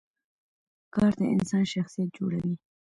کار د انسان شخصیت جوړوي